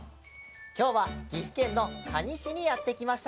きょうは岐阜県の可児市にやってきました。